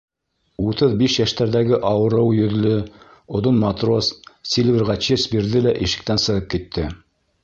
Утыҙ биш йәштәрҙәге ауырыу йөҙлө оҙон матрос Сильверға честь бирҙе лә ишектән сығып китте.